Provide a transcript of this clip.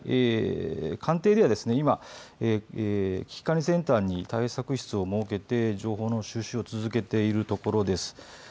官邸では今、危機管理センターに対策室を設けて情報の収集を続けているところです。